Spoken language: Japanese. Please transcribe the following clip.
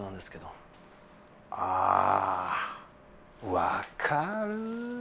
あ分かる。